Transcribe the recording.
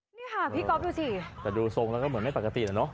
นี่ค่ะพี่ก๊อฟดูสิแต่ดูทรงแล้วก็เหมือนไม่ปกตินะเนอ